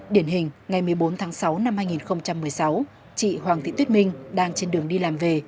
điển hình ngày một mươi bốn tháng sáu năm hai nghìn một mươi sáu chị hoàng thị tuyết minh đang trên đường đi làm về